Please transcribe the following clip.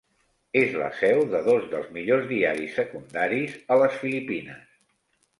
És la seu de dos dels millors diaris secundaris a les Filipines.